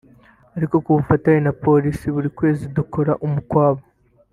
ariko ku bufatanye na Polisi buri kwezi dukora umukwabu